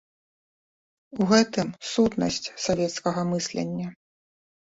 У гэтым сутнасць савецкага мыслення!